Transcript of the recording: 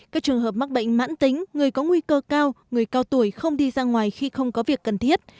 các trường hợp mắc bệnh mãn tính người có nguy cơ cao người cao tuổi không đi ra ngoài khi không có việc cần thiết